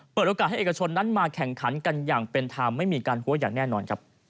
เปิดโอกาสให้เอกชนนั้นมาแข่งขันกันอย่างเป็นทางไม่มีการหัวอย่างแน่นอนครับ